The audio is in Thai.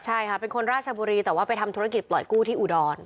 ใช่ค่ะเป็นคนราชบุรีแต่ว่าไปทำธุรกิจปล่อยกู้ที่อุดร